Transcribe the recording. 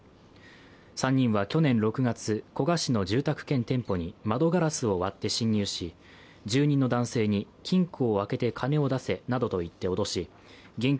３人は去年６月、古河市の住宅兼店舗に窓ガラスを割って侵入し住人の男性に金庫を開けて金を出せなどと言って脅し現金